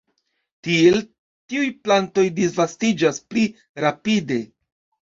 Tiel tiuj plantoj disvastiĝas pli rapide.